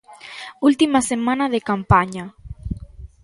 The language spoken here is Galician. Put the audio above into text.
Última semana de campaña.